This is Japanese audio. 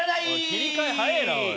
切り替え早いなおい。